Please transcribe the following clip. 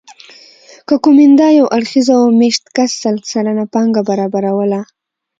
که کومېندا یو اړخیزه وه مېشت کس سل سلنه پانګه برابروله